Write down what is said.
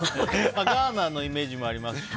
ガーナのイメージもありますしね。